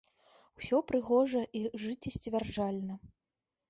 Усё прыгожа і жыццесцвярджальна.